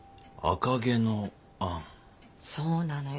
そうなのよ。